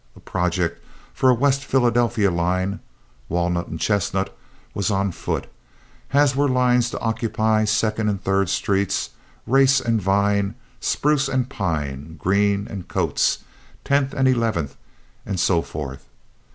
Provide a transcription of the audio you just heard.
A project for a West Philadelphia line (Walnut and Chestnut) was on foot, as were lines to occupy Second and Third Streets, Race and Vine, Spruce and Pine, Green and Coates, Tenth and Eleventh, and so forth.